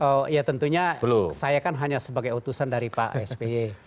oh ya tentunya saya kan hanya sebagai utusan dari pak sby